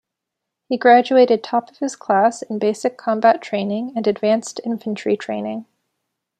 He graduated top of his class in basic combat training and advanced infantry training.